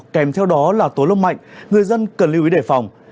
kèm theo đó là tối lông mạnh người dân cần lưu ý đề phòng